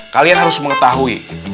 kalian harus mengetahui